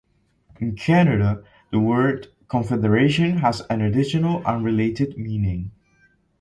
In Canada, the word "confederation" has an additional, unrelated meaning.